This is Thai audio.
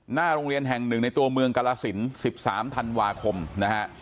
หน้าโรงเรียนแห่งหนึ่งในตัวเมืองกรสิน๑๓ธันวาคมนะฮะ